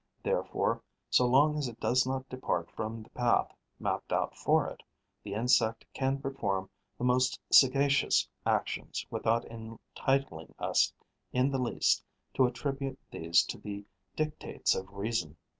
Therefore, so long as it does not depart from the path mapped out for it, the insect can perform the most sagacious actions without entitling us in the least to attribute these to the dictates of reason.